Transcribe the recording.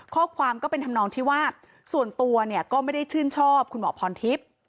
ข้อความก็เป็นทำนองที่ว่าส่วนตัวเนี่ยก็ไม่ได้ชื่นชอบคุณหมอพรทิพย์